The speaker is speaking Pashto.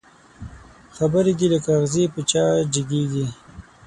خبري دي لکه اغزي په چا جګېږي